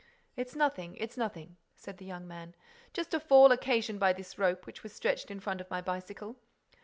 "It's nothing, it's nothing," said the young man. "Just a fall occasioned by this rope, which was stretched in front of my bicycle.